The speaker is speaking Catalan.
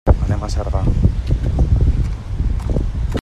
Anem a Cerdà.